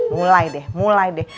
mulai deh mulai deh